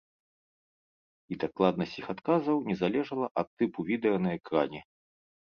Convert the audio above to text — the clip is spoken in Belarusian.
І дакладнасць іх адказаў не залежала ад тыпу відэа на экране.